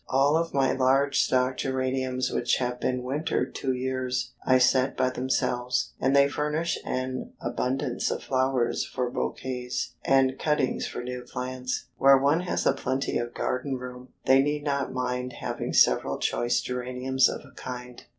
All of my large stock geraniums which have been wintered two years, I set by themselves, and they furnish an abundance of flowers for bouquets, and cuttings for new plants. Where one has a plenty of garden room, they need not mind having several choice geraniums of a kind.